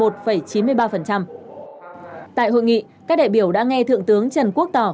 tại hội nghị các đại biểu đã nghe thượng tướng trần quốc tỏ